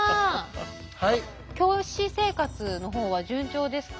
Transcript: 教師生活の方は順調ですか？